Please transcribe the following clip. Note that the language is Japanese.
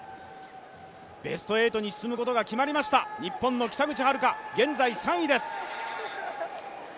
ベスト８に進むことが決まりました日本の北口榛花、現在３位です。